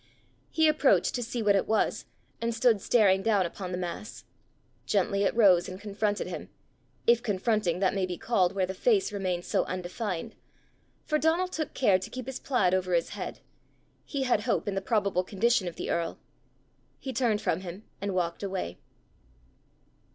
He approached to see what it was, and stood staring down upon the mass. Gently it rose and confronted him if confronting that may be called where the face remained so undefined for Donal took care to keep his plaid over his head: he had hope in the probable condition of the earl! He turned from him and walked away.